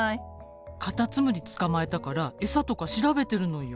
カタツムリ捕まえたから餌とか調べてるのよ。